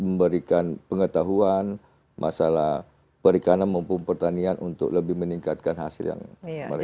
memberikan pengetahuan masalah perikanan maupun pertanian untuk lebih meningkatkan hasil yang mereka